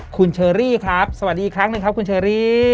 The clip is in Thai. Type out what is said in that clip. คุณเชอรี่ครับสวัสดีอีกครั้งหนึ่งครับคุณเชอรี่